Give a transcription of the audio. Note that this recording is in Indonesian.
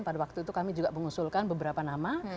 pada waktu itu kami juga mengusulkan beberapa nama